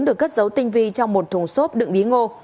được cất giấu tinh vi trong một thùng xốp đựng bí ngô